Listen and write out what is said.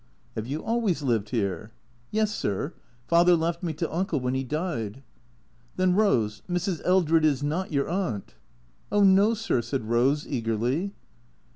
" Have you always lived here ?"" Yes, sir. Father left me to Uncle when he died." " Then, Eose, Mrs. Eldred is not your aunt ?"" Oh no, sir," said Eose eagerly.